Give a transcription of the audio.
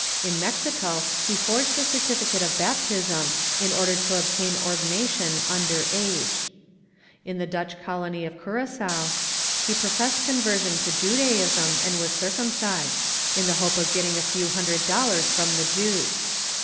In Mexico, he forged a certificate of baptism in order to obtain ordination imder age. In the Dutch colony of Curagoa, he pro fessed conversion to Judaism and was circumcised, in the hope of getting a few hundred dollars from the Jews.